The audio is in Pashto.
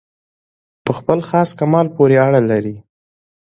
په خپل خاص کمال پوري اړه لري.